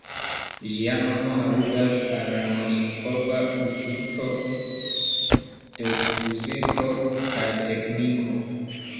Ĝia nomo aludas al la Moskva Instituto de Fiziko kaj Tekniko.